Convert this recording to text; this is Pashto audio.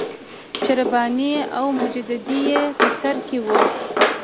چې رباني او مجددي یې په سر کې وو.